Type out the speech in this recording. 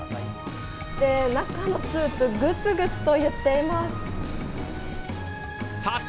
中のスープ、グツグツといっています。